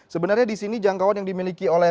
sebenarnya di sini jangkauan yang dimiliki oleh